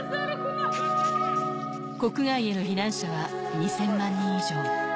国外への避難者は２０００万人以上。